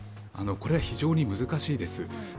これは非常に難しいです。